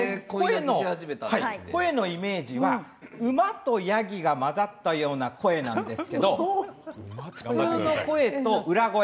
声のイメージは馬とヤギが混ざったような声なんですけれど普通の声と裏声。